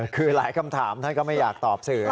คือหลายคำถามท่านก็ไม่อยากตอบสื่อ